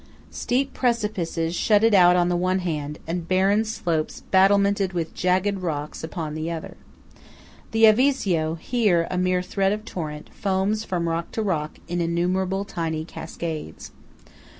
Steep precipices shut it in on the one hand, and barren slopes battlemented with jagged rocks upon the other. The Avisio, here a mere thread of torrent, foams from rock to rock in innumerable tiny cascades.